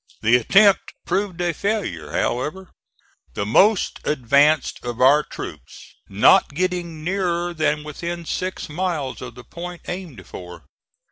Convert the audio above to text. The attempt proved a failure, however, the most advanced of our troops not getting nearer than within six miles of the point aimed for.